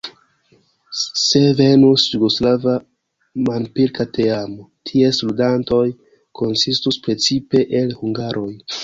Se venus jugoslava manpilka teamo, ties ludantoj konsistus precipe el hungaroj.